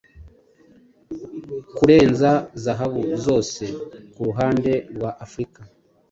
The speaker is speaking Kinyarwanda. karenze Zahabu zose kuruhande rwa Afrika.